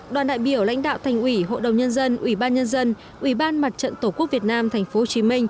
đoàn đại biểu lãnh đạo thành ủy hội đồng nhân dân ủy ban nhân dân ủy ban mặt trận tổ quốc việt nam tp hcm